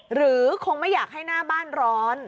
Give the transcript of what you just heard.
หรือคงไม่อยากให้หน้าบ้านร้อน